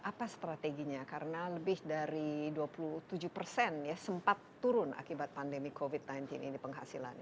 apa strateginya karena lebih dari dua puluh tujuh persen ya sempat turun akibat pandemi covid sembilan belas ini penghasilannya